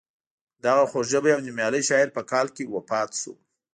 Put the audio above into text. دغه خوږ ژبی او نومیالی شاعر په کال کې وفات شو.